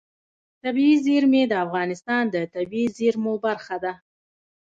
طبیعي زیرمې د افغانستان د طبیعي زیرمو برخه ده.